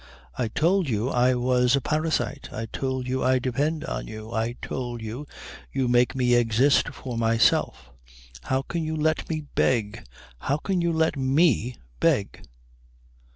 I told you I was a parasite. I told you I depend on you. I told you you make me exist for myself. How can you let me beg? How can you let me beg?"